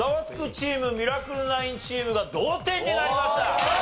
チームミラクル９チームが同点になりました。